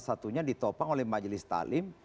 satunya ditopang oleh majelis talim